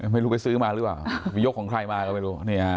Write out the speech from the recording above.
ไม่รู้ไปซื้อมาหรือเปล่าไปยกของใครมาก็ไม่รู้